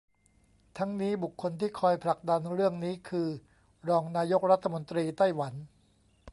ทั้งนี้บุคคลที่คอยผลักดันเรื่องนี้คือรองนายกรัฐมนตรีไต้หวัน